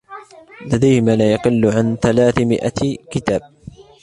لديه ما لا يقل عن ثلاثمئة كتاب.